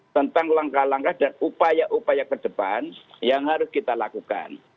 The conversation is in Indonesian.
tentang langkah langkah dan upaya upaya ke depan yang harus kita lakukan